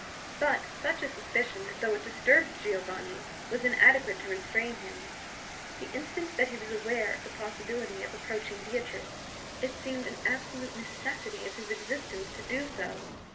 But such a suspicion, though it disturbed Giovanni, was inadequate to restrain him. The instant that he was aware of the possibility of approaching Beatrice, it seemed an absolute necessity of his existence to do so.